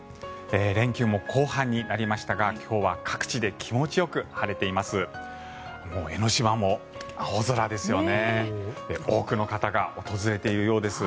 連休も後半になりましたが今日は各地で気持ちよく晴れています。